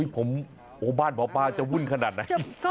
ผมบ้านหมอปลาจะวุ่นขนาดไหน